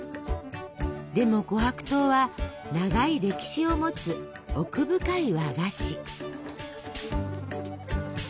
でも琥珀糖は長い歴史を持つ奥深い和菓子。